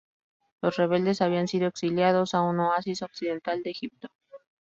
Los rebeldes habían sido exiliados a un oasis occidental de Egipto.